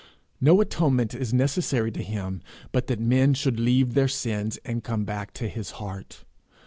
No atonement is necessary to him but that men should leave their sins and come back to his heart.